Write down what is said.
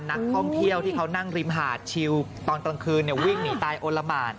นักท่องเที่ยวที่เขานั่งริมหาดชิวตอนกลางคืนวิ่งหนีตายโอละหมาน